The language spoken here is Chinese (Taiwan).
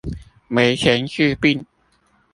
沒錢治病